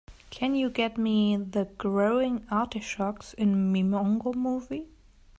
Can you get me the Growing Artichokes in Mimongo movie?